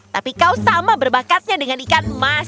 tapi kau sama berbakatnya dengan ikan emas